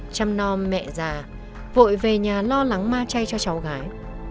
chăm no mẹ già vội về nhà lo lắng ma chay cho cháu gái